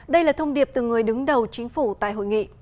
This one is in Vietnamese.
đây là thông điệp từ người đứng đầu chính phủ tại hội nghị